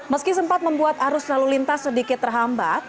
meski sempat membuat arus lalu lintas sedikit terhambat